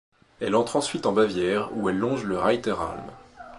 Elle entre ensuite en Bavière où elle longe le Reiteralm.